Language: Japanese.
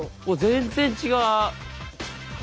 全然違う！